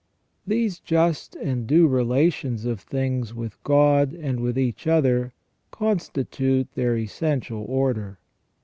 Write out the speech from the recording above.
These just and due relations of things with God and with each other constitute their essential order.